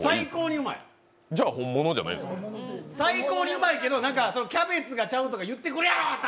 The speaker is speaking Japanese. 最高にうまいけどキャベツがちゃうとか言ってくるやろ！